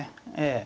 ええ。